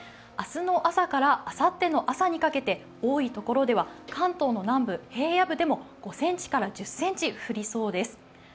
明日の朝からあさっての朝にかけて、多い所では関東の南部、平野部でも５ｃｍから１０ｃｍ降りそうです。